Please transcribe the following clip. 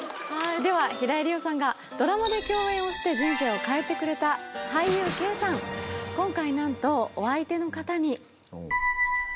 では、平井理央さんがドラマで共演をして人生を変えてくれた俳優Ｋさん、今回、なんと、お相手の方に。